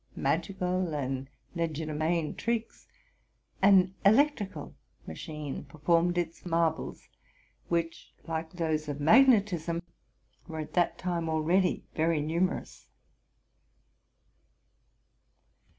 magical and legerdemain tricks, an electrical machine per. formed its marvels, which, like those of magnetism, were at that time already very numerous.